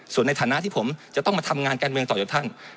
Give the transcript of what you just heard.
ส่วนในฐานะที่ผมจะต้องมาทำงานการเมืองต่อจากท่าน